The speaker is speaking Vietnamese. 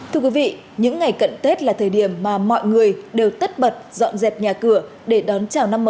thưa quý vị những ngày cận tết là thời điểm mà mọi người đều tất bật dọn dẹp nhà cửa để đón chào năm mới